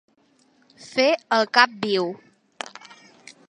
Fer el cap viu.